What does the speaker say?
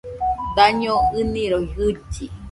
Daño ɨnɨroi jɨlli